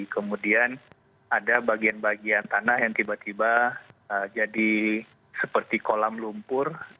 kemudian ada bagian bagian tanah yang tiba tiba jadi seperti kolam lumpur